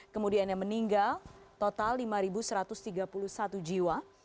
kemudian yang meninggal total lima satu ratus tiga puluh satu jiwa